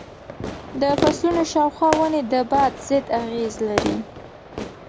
د فصلونو شاوخوا ونې د باد ضد اغېز لري.